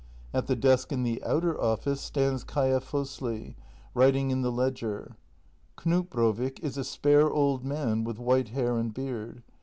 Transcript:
At the desk in the outer office stands Kaia Fosli, writing in the ledger. Knut Brovik is a spare old man with white hair and beard.